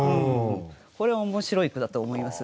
これは面白い句だと思います。